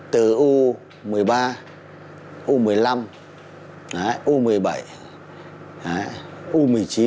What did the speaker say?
từ u một mươi ba u một mươi năm u một mươi bảy u một mươi chín